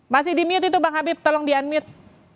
masih di mute itu bang habib tolong di unmute